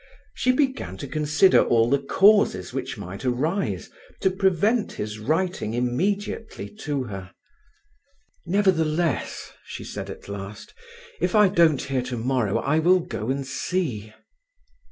She began to consider all the causes which might arise to prevent his writing immediately to her. "Nevertheless," she said at last, "if I don't hear tomorrow I will go and see."